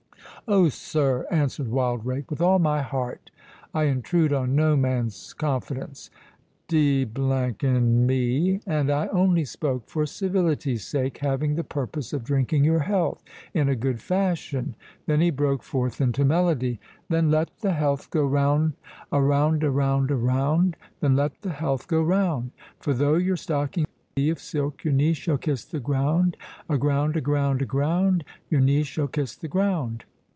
"Oh, sir," answered Wildrake, "with all my heart. I intrude on no man's confidence, d—n me—and I only spoke for civility's sake, having the purpose of drinking your health in a good fashion"—(Then he broke forth into melody)— "'Then let the health go round, a round, a round, a round, Then let the health go round; For though your stocking be of silk, Your knee shall kiss the ground, a ground, a ground, a ground, Your knee shall kiss the ground.